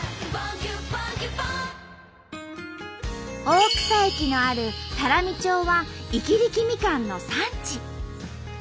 大草駅のある多良見町は伊木力みかんの産地。